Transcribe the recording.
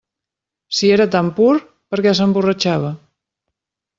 Si era tan pur, per què s'emborratxava?